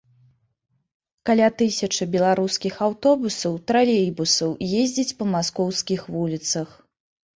Каля тысячы беларускіх аўтобусаў, тралейбусаў ездзіць па маскоўскіх вуліцах.